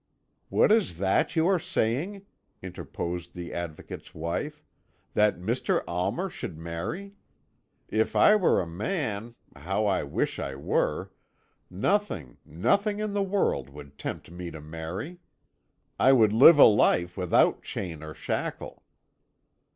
"What is that you are saying?" interposed the Advocate's wife; "that Mr. Almer should marry? If I were a man how I wish I were! nothing, nothing in the world would tempt me to marry. I would live a life without chain or shackle."